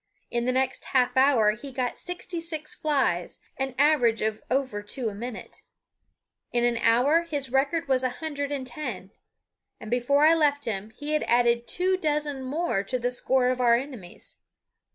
In the next half hour he got sixty six flies, an average of over two a minute. In an hour his record was a hundred and ten; and before I left him he had added two dozen more to the score of our enemies.